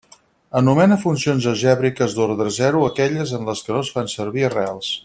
Anomena funcions algèbriques d'ordre zero aquelles en les que no es fan servir arrels.